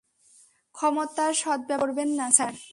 ক্ষমতার সদ্ব্যবহার করবেন না, স্যার।